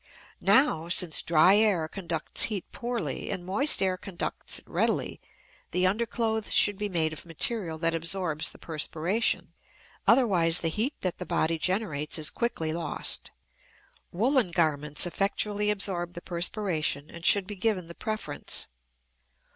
Now, since dry air conducts heat poorly and moist air conducts it readily, the underclothes should be made of material that absorbs the perspiration; otherwise the heat that the body generates is quickly lost. Woolen garments effectually absorb the perspiration and should be given the preference.